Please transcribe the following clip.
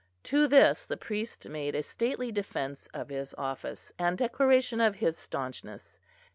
To this the priest made a stately defence of his office, and declaration of his staunchness.